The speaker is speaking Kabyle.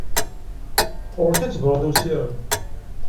Ɣur-k ad tebruḍ i usirem!